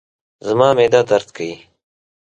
زما معده درد کوي